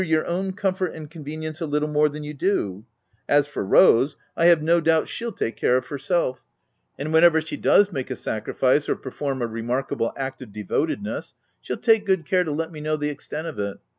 109 your own comfort and convenience a little more than you do — as for Rose, I have no doubt shell take care of herself;, and whenever she does make a sacrifice or perform a remarkable act of devotedness, shell take good care to let me know the extent of it.